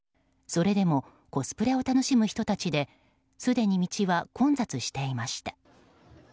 それでもコスプレを楽しむ人たちですでに道は混雑していました。